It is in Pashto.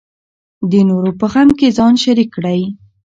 د نورو په غم کې ځان شریک کړئ.